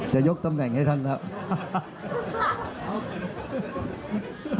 จะยกตำแหน่งให้ท่านครับ